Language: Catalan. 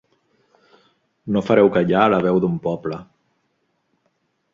No fareu callar la veu d'un poble.